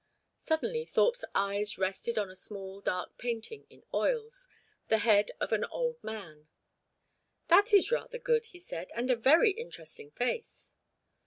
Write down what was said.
Suddenly Thorpe's eyes rested on a small dark painting in oils, the head of an old man. "That is rather good," he said, "and a very interesting face."